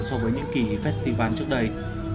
so với những kỳ festival trước đây